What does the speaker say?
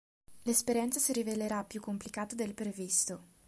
L'esperienza si rivelerà più complicata del previsto.